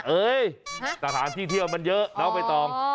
เอ๊ยสถานที่เที่ยวมันเยอะเล่าไปต่อ